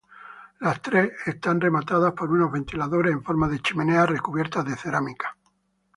Las tres están rematadas por unos ventiladores en forma de chimeneas, recubiertas de cerámica.